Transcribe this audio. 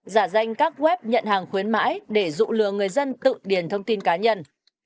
một giả danh các web nhận hàng khuyến mãi để dụ lừa người dân tự điền thông tin cá nhân